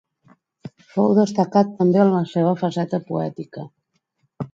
Fou destacat també amb la seva faceta poètica.